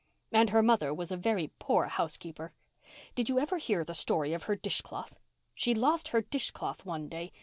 And her mother was a very poor housekeeper. Did you ever hear the story of her dishcloth? She lost her dishcloth one day.